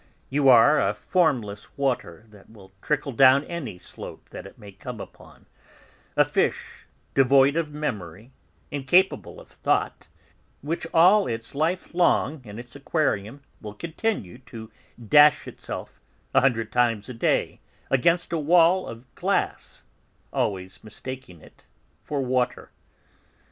You are a formless water that will trickle down any slope that it may come upon, a fish devoid of memory, incapable of thought, which all its life long in its aquarium will continue to dash itself, a hundred times a day, against a wall of glass, always mistaking it for water.